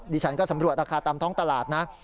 ฉันก็สำรวจราคาตามท้องตลาดนะ